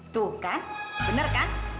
tuh kan bener kan